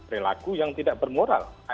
relaku yang tidak bermoral